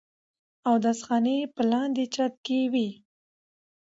اودس خانې پۀ لاندې چت کښې وې